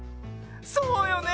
そうよね。